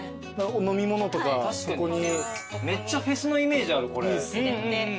めっちゃフェスのイメージあるこれ。